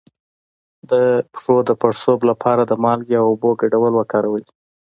د پښو د پړسوب لپاره د مالګې او اوبو ګډول وکاروئ